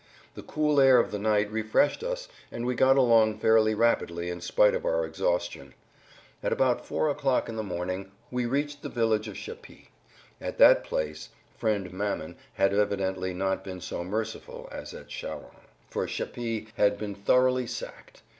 The cool air of the night refreshed us, and we got along fairly rapidly in spite of our exhaustion. At about four o'clock in the morning we reached the village of Chepy. At that place friend Mammon had evidently not been so merciful as at Châlons, for Chepy had been thoroughly sacked.